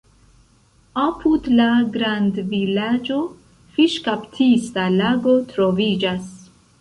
Apud la grandvilaĝo fiŝkaptista lago troviĝas.